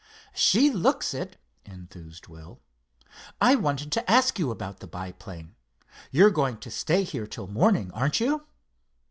"She looks it," enthused Will. "I wanted to ask you about the biplane. You're going to stay here till morning, aren't you?"